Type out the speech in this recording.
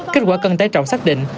kết quả cân tài trọng xác định